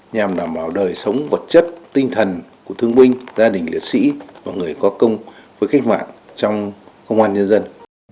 nhằm đảm bảo đời sống vật chất tinh thần của thương binh gia đình liệt sĩ và người có công với cách mạng trong công an nhân dân